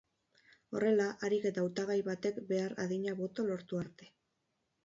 Horrela, harik eta hautagai batek behar adina boto lortu arte.